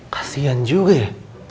kasian juga ya